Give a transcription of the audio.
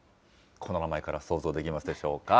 この名前から想像できますでしょうか。